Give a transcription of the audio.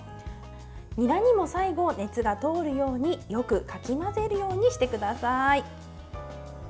にらにも最後、熱が通るようによくかき混ぜるようにしてください。